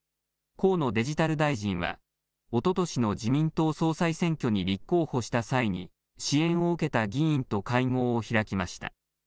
河野デジタル大臣は、おととしの自民党総裁選挙に立候補した際に、支援を受けた議員と会合を開きました。